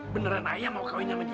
beneran ayah mau kawin sama dia